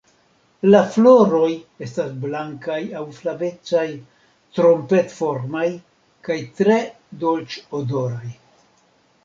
La floroj estas blankaj aŭ flavecaj, trompet-formaj kaj tre dolĉ-odoraj.